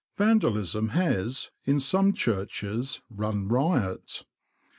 Vandalism has, in some churches, run riot.